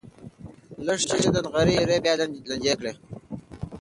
لښتې د نغري ایرې بیا لندې کړې.